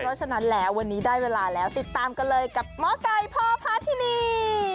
เพราะฉะนั้นแล้ววันนี้ได้เวลาแล้วติดตามกันเลยกับหมอไก่พ่อพาทินี